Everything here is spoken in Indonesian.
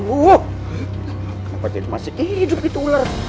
kenapa jadi masih hidup itu ular